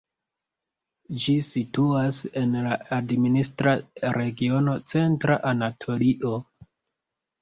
Ĝi situas en la administra regiono Centra Anatolio.